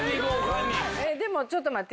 でもちょっと待って。